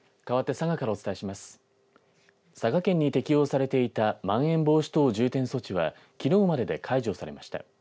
佐賀県に適用されていたまん延防止等重点措置はきのうまでで解除されました。